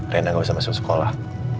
rena gak usah masuk sekolah